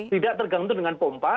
tidak tergantung dengan pompa